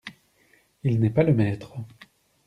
Il n'est pas le maître.